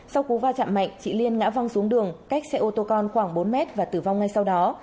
sau cú va chạm mạnh chị liên ngã văng xuống đường cách xe ô tô con khoảng bốn mét và tử vong ngay sau đó